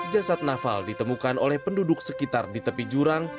jasad naval ditemukan oleh penduduk sekitar di tepi jurang